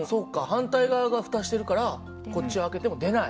反対側がふたしてるからこっち開けても出ない。